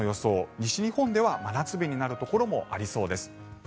西日本では真夏日になるところもありそうです。